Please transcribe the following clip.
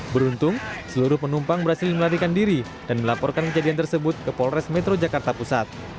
beruntung seluruh penumpang berhasil melarikan diri dan melaporkan kejadian tersebut ke polres metro jakarta pusat